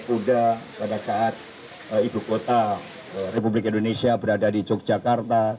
kuda pada saat ibu kota republik indonesia berada di yogyakarta